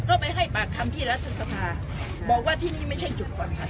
ก็ไปให้ปากคำที่รัฐสภาบอกว่าที่นี่ไม่ใช่จุดผ่อนผัน